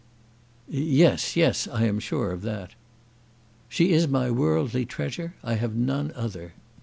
"Yes! yes; I am sure of that." "She is my worldly treasure. I have none other.